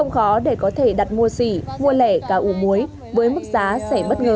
người mua xỉ mua lẻ gà ủ muối với mức giá rẻ bất ngờ